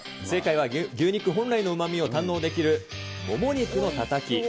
正解は牛肉本来のうまみを堪能できるもも肉のたたき。